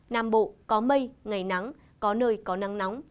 nam bộ có mây ngày nắng có nơi có nắng nóng